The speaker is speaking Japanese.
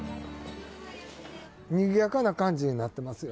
にぎやかな感じになってますよ。